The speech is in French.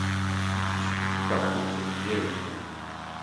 Il fut suivi par un autre musée à Hollywood.